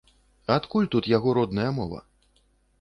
Адкуль тут яго родная мова?